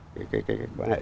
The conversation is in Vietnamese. cái cái cái cái